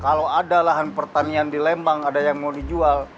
kalau ada lahan pertanian di lembang ada yang mau dijual